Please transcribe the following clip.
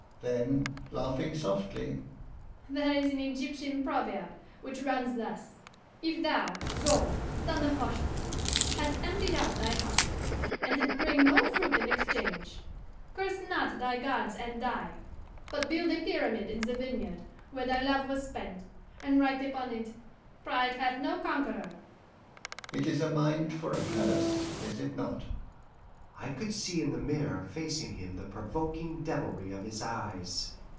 Then, laughing softly, 'There is an Egyptian proverb which runs thus: "If thou, Dol, son of Hoshti, hast emptied out thy heart, and it bring no fruit in exchange, curse not thy gods and die, but build a pyramid in the vineyard where thy love was spent, and write upon it, Pride hath no conqueror."' It is a mind for a palace, is it not?" I could see in the mirror facing him the provoking devilry of his eyes.